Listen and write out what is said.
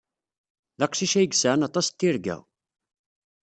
D aqcic ay yesɛan aṭas n tirga.